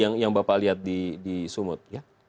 yang bapak lihat di sumut